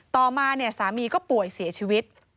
ต่อมาสามีก็ป่วยเสียชีวิต